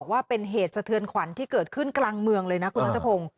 ว่าเป็นเหตุสะเทือนขวัญที่เกิดขึ้นกลางเมืองเลยนะคุณนัทพงศ์